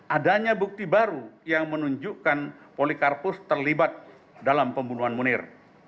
adanya bukti baru yang menunjukkan polikarpus terlibat dalam pembunuhan munir